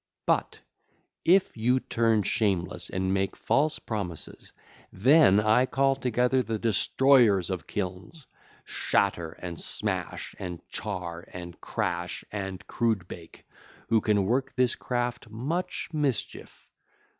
But if you turn shameless and make false promises, then I call together the destroyers of kilns, Shatter and Smash and Charr and Crash and Crudebake who can work this craft much mischief.